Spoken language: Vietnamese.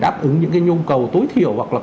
đáp ứng những cái nhu cầu tối thiểu hoặc là